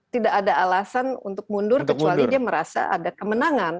tidak ada alasan untuk mundur kecuali dia merasa ada kemenangan